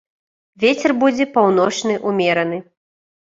Вецер будзе паўночны ўмераны.